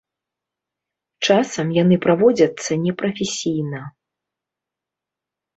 Часам яны праводзяцца непрафесійна.